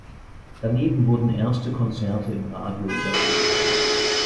Daneben wurden erste Konzerte im Radio übertragen.